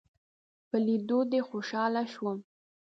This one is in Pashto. په ليدو دې خوشحاله شوم